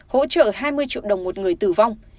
hỗ trợ hai mươi triệu đồng một người tử vong